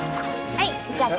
はい？